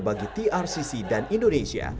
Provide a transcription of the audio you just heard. bagi trcc dan indonesia